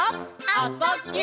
「あ・そ・ぎゅ」